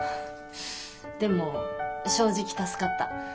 でも正直助かった。